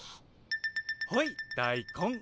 ほい大根。